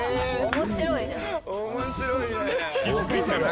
面白いね。